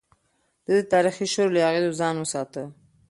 ده د تاريخي شور له اغېزو ځان وساته.